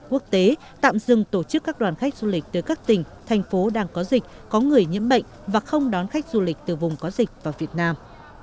quốc tế tạm dừng tổ chức các đoàn khách du lịch tới các tỉnh thành phố đang có dịch có người nhiễm bệnh và không đón khách du lịch từ vùng có dịch vào việt nam